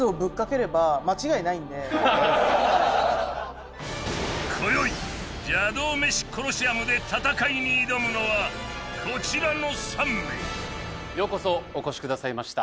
うん今宵邪道メシコロシアムで戦いに挑むのはこちらの３名ようこそお越しくださいました